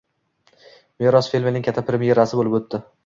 Meros filmining katta premerasi bo‘lib o‘tdi